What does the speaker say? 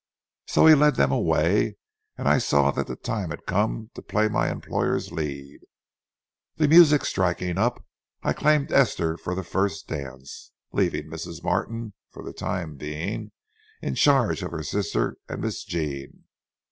So he led them away, and I saw that the time had come to play to my employer's lead. The music striking up, I claimed Esther for the first dance, leaving Mrs. Martin, for the time being, in charge of her sister and Miss Jean.